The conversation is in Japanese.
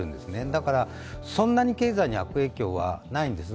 だから、そんなに経済に悪影響はないんです。